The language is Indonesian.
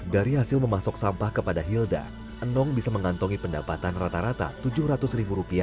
dari hasil memasok sampah kepada hilda enong bisa mengantongi pendapatan rata rata tujuh ratus rupiah setiap bulannya